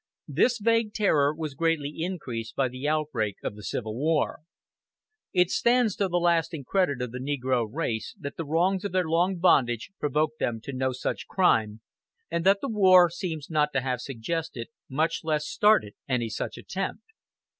This vague terror was greatly increased by the outbreak of the Civil War. It stands to the lasting credit of the negro race that the wrongs of their long bondage provoked them to no such crime, and that the war seems not to have suggested, much less started any such attempt.